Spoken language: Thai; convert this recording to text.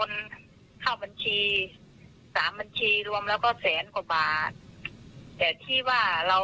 มันปีกว่าเนอะแต่เฉพาะที่มีสลิปเนี่ยมันแสนเศษนะคะ